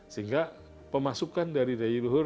sehingga pemasukan dari dayi luhur